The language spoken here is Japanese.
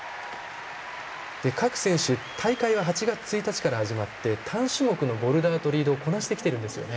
各選手、大会は８月１日から始まって単種目のボルダーとリードをこなしてきてるんですよね。